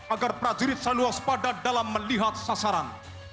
agar prajurit seluas pada dalam melihat sasaran